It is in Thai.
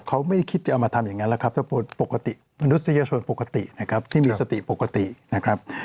เขาไม่คิดจะเอามาทำอย่างนั้นแล้วครับถ้าปกติมนุษยชนปกตินะครับที่มีสติปกตินะครับ